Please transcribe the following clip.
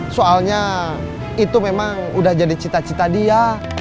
soalnya itu memang udah jadi cita cita dia